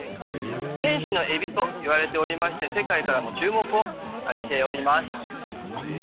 天使のエビといわれておりまして、世界からも注目を浴びております。